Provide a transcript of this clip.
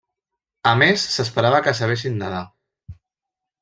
A més s'esperava que sabessin nedar.